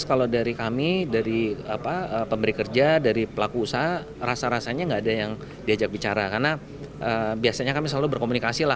karena biasanya kami selalu berkomunikasi lah